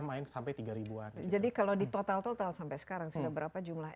main sampai tiga ribu an ya jadi kalo di total total sampai sekarang sudah berapa jumlah any